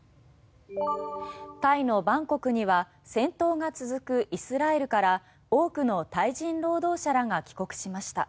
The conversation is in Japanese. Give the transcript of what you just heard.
タイのバンコクには戦闘が続くイスラエルから多くのタイ人労働者らが帰国しました。